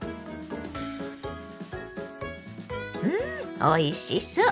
うんおいしそう！